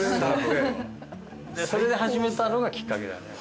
でそれで始めたのがきっかけだね。